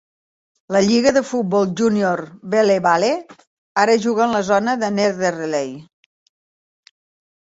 La lliga de futbol júnior Belle Vale ara juga en la zona de Netherley.